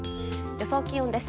予想気温です。